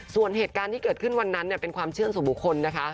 ส่วนเหตุการณ์ที่เกิดขึ้นวันนั้นเป็นความเชื่อสู่บุคคลนะคะ